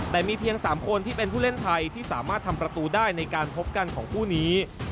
แต่มีเพียง๓คนที่เป็นผู้เล่นไทยที่สามารถทำประตูได้ในการพบกันของคู่นี้